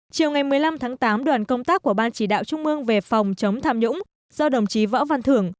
chiều ngày một mươi năm tháng tám đoàn công tác của ban chỉ đạo trung mương về phòng chống tham nhũng do đồng chí võ văn thưởng